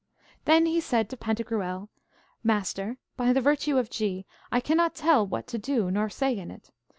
Then he said to Pantagruel, Master, by the virtue of G , I cannot tell what to do nor say in it.